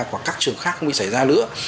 hoặc các trường khác không bị xảy ra nữa